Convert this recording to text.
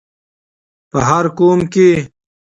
په هر قوم کې